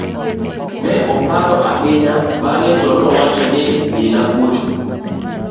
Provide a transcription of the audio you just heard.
ne oparo ahinya bang'e to nowacho ni dhina kucha